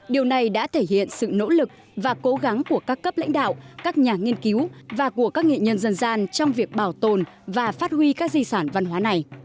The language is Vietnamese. điều này đã thể hiện sự nỗ lực và cố gắng của các cấp lãnh đạo các nhà nghiên cứu và của các nghệ nhân dân gian trong việc bảo tồn và phát huy các di sản văn hóa này